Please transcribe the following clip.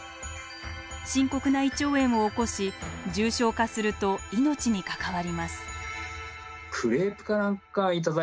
深刻な胃腸炎を起こし重症化すると命に関わります。